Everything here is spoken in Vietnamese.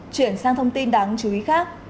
chuyển sang thông tin đáng chú ý khác